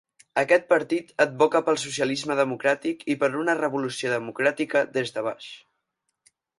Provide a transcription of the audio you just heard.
Aquest partit advoca pel socialisme democràtic i per una revolució democràtica des de baix.